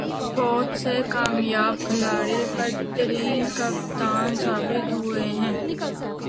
بہت سے کامیاب کھلاڑی بدترین کپتان ثابت ہوئے ہیں۔